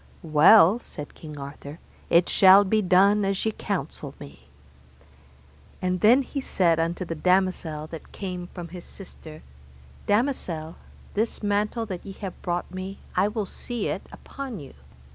Well, said King Arthur, it shall be done as ye counsel me. And then he said unto the damosel that came from his sister, Damosel, this mantle that ye have brought me, I will see it upon you.